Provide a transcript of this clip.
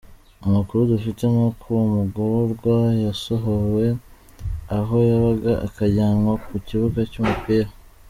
Amakuru dufite ni uko uwo mugororwa yasohowe aho yabaga akajyanwa ku kibuga cy’umupira.